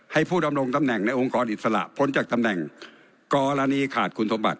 ผู้ดำรงตำแหน่งในองค์กรอิสระพ้นจากตำแหน่งกรณีขาดคุณสมบัติ